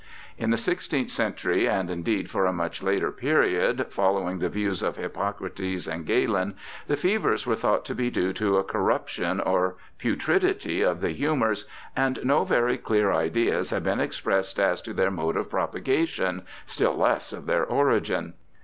In the sixteenth century, and indeed for a much later period, following the views of Hippocrates and Galen, the fevers were thought to be due to a corruption or putridity of the humours, and no very clear ideas had been expressed as to their mode of propagation, still less of their origin.